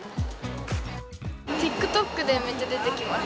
ＴｉｋＴｏｋでめっちゃ出てきます。